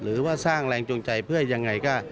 หรือว่าสร้างแรงจูงใจเพื่อยังไงก็